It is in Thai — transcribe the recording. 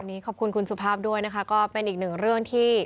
ขอบคุณคุณสุภาพด้วยนะคะก็เป็นอีกหนึ่งเรื่องที่